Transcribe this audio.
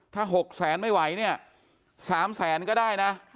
ถ้า๖แสนไม่ไหวเนี่ย๓แสนก็ได้นะ